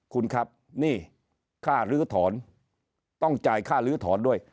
คุณครับนี่ค่าลื้อถอนต้องจ่ายค่าลื้อถอนด้วย